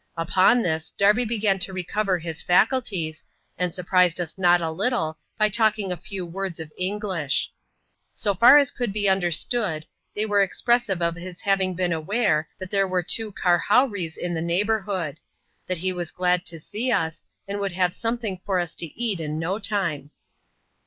Upon thk. Darby began to recover his faculties, and surprised us not a litde, by talking a few words of English. So far as could be understood, they were expressive of his having been aware, that there were two " karhowrees " in the neighbourhood ; that he was glad to see us, and would have sometlung for us to eat in no time.